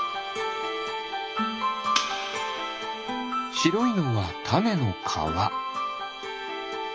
しろいのはたねのかわ。